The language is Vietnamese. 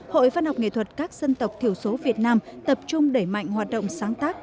hội văn học nghệ thuật các dân tộc thiểu số việt nam tập trung đẩy mạnh hoạt động sáng tác